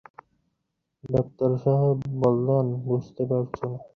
Doctor সাহেব বললেন, বুঝতে পারছি না।